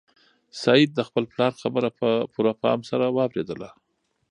سعید د خپل پلار خبره په پوره پام سره واورېده.